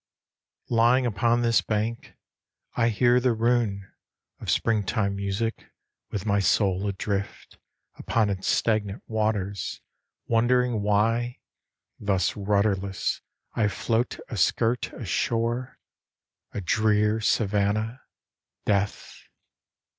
Lying upon this bank, I hear the rune Of springtime music, with my soul adrift Upon its stagnant waters, wondering why Thus rudderless I float askirt a shore, A drear savannah, Death.